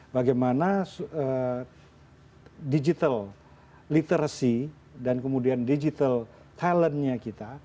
bagaimana digital literacy dan kemudian digital talentnya kita